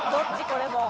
これもう。